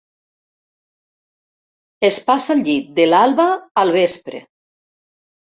Es passa al llit de l"alba al vespre.